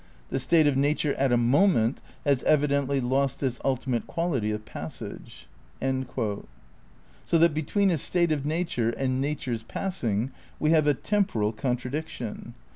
The state of nature 'at a moment' has evidently lost this ultimate quality of passage." " So that between a state of nature and nature 's pass ing we have a temporal contradiction.